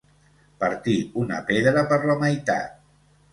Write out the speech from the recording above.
Partir una pedra per la meitat.